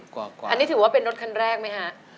๑๐กว่ากว่าอันนี้ถือว่าเป็นรถคันแรกไหมฮะ